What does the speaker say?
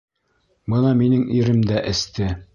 Бына минең ирем дә эсте.